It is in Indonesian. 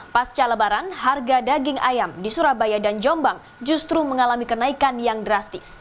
pasca lebaran harga daging ayam di surabaya dan jombang justru mengalami kenaikan yang drastis